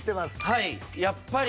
はいやっぱり。